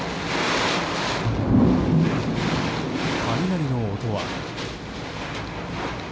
雷の音は。